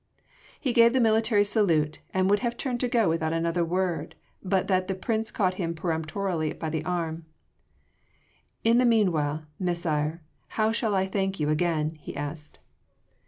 He gave the military salute and would have turned to go without another word but that the Prince caught him peremptorily by the arm: "In the meanwhile, Messire, how shall I thank you again?" he asked.